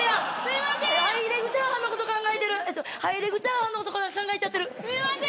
ハイレグチャーハンのこと考えちゃってる。